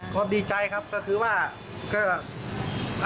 ก็ดีใจครับก็คือว่าก็